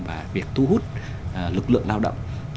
và việc thu hút lực lượng lao động